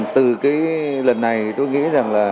từ cái lần này tôi nghĩ rằng là